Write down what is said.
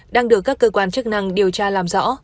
đang được các cơ quan chức năng điều tra làm rõ